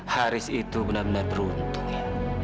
haris itu benar benar beruntung